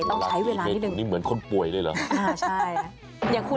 ต้องใช้เวลานิดหนึ่งนี่เหมือนคนป่วยเลยเหรออ่าใช่อย่างคุณ